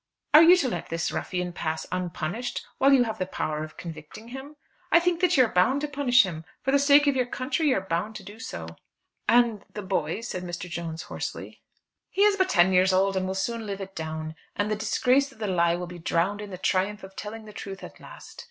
"Are you to let this ruffian pass unpunished while you have the power of convicting him? I think that you are bound to punish him. For the sake of your country you are bound to do so." "And the boy?" said Mr. Jones hoarsely. "He is but ten years old, and will soon live it down. And the disgrace of the lie will be drowned in the triumph of telling the truth at last.